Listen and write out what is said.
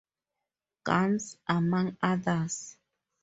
Guns, among others.